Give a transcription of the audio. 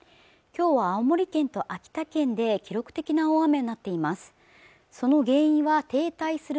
今日は青森県と秋田県で記録的な大雨になっています